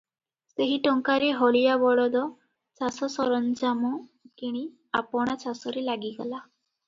ସେହି ଟଙ୍କାରେ ହଳିଆ ବଳଦ, ଚାଷ ସରଞ୍ଜାମ କିଣି ଆପଣା ଚାଷରେ ଲାଗିଗଲା ।